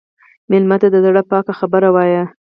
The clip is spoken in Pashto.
مېلمه ته د زړه پاکه خبره وایه.